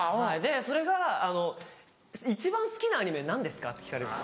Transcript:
それが「一番好きなアニメ何ですか？」って聞かれるんです。